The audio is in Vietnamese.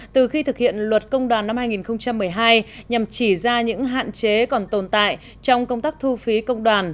từ khi thực hiện luật công đoàn năm hai nghìn một mươi hai nhằm chỉ ra những hạn chế còn tồn tại trong công tác thu phí công đoàn